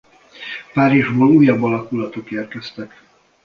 Párizsból újabb alakulatok érkeztek.